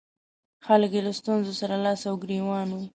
خلک یې له ستونزو سره لاس او ګرېوان وو.